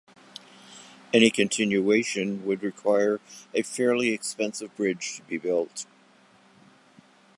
Any continuation would require a fairly expensive bridge to be built.